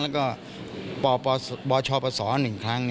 แล้วก็ปปชปศ๑ครั้ง